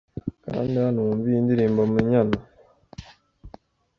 Kanda hano wumve iyi ndirimbo 'Munyana'.